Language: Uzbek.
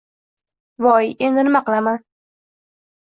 Voy, endi nima qilaman!